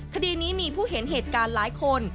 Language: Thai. คดีนี้มีผู้เห็นเหตุการณ์หลายคน